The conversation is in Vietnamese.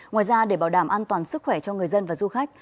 ngoài ra để bảo đảm an toàn sức khỏe cho người dân và du khách